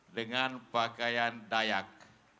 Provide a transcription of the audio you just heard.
dengan pakaian dayak